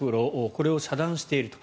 これを遮断していると。